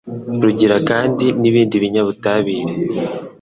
rugira kandi nibindi binyabutabire